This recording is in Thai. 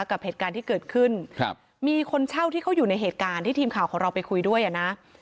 กับเหตุการณ์ที่เกิดขึ้นครับมีคนเช่าที่เขาอยู่ในเหตุการณ์ที่ทีมข่าวของเราไปคุยด้วยอ่ะนะ